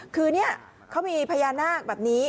คือนี่เขามีพญานาคแบบนี้